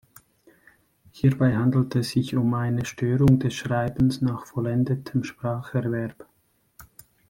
Hierbei handelt es sich um eine Störung des Schreibens nach vollendetem Spracherwerb.